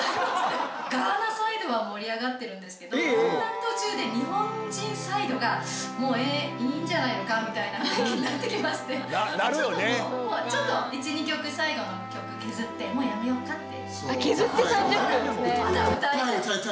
ガーナサイドは盛り上がってるんですけど一旦途中で日本人サイドがもういいんじゃないのかみたいな雰囲気になってきましてちょっと１２曲最後の曲削ってもうやめようかって。